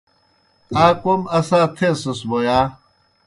آ کوْم اسا تھیسَس بوْ یا؟